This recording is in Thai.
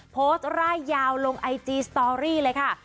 ร่ายยาวลงไอจีสตอรี่เลยค่ะ